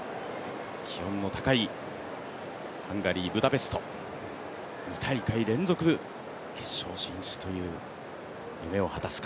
気温の高いハンガリー・ブダペスト２大会連続、決勝進出という夢を果たすか。